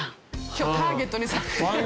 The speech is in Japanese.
今日ターゲットにされてる。